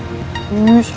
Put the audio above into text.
ih serem banget sih lo